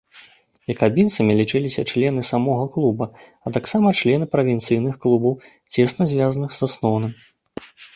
Якабінцамі лічыліся члены самога клуба, а таксама члены правінцыйных клубаў, цесна звязаных з асноўным.